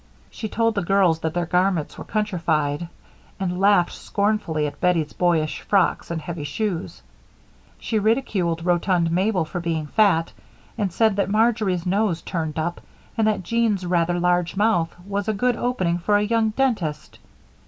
She told the girls that their garments were countrified, and laughed scornfully at Bettie's boyish frocks and heavy shoes. She ridiculed rotund Mabel for being fat, and said that Marjory's nose turned up and that Jean's rather large mouth was a good opening for a young dentist.